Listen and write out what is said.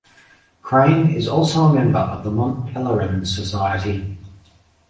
Crane is also a member of the Mont Pelerin Society.